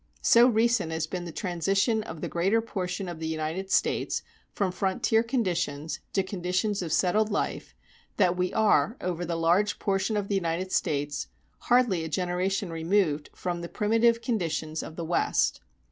So recent has been the transition of the greater portion of the United States from frontier conditions to conditions of settled life, that we are, over the large portion of the United States, hardly a generation removed from the primitive conditions of the West.